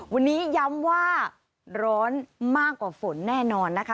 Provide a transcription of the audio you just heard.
วันนี้ย้ำว่าร้อนมากกว่าฝนแน่นอนนะคะ